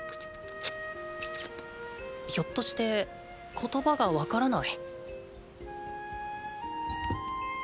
ひょっとして言葉がわからない？